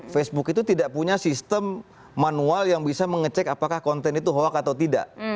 facebook itu tidak punya sistem manual yang bisa mengecek apakah konten itu hoak atau tidak